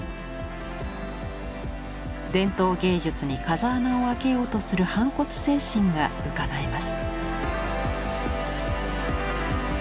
伝統芸術に風穴を開けようとする反骨精神がうかがえます。